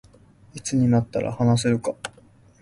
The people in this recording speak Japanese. いつになったら話せるか